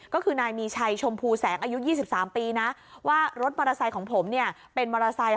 ก็คือนายมีชัยชมพูแสงอายุ๒๓ปีนะว่ารถมอเตอร์ไซค์ของผมเนี่ยเป็นมอเตอร์ไซค์